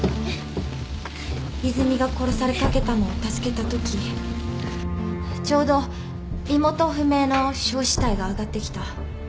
泉が殺されかけたのを助けたときちょうど身元不明の焼死体があがってきた。